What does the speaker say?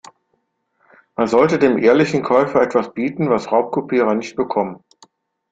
Man sollte dem ehrlichen Käufer etwas bieten, was Raubkopierer nicht bekommen.